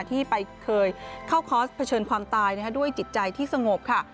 ที่เคยเข้าคอร์สเผชิญความตายด้วยจิตใจที่สงบค่ะ